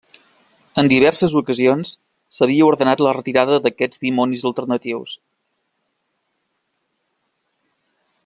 En diverses ocasions, s'havia ordenat la retirada d'aquests dimonis alternatius.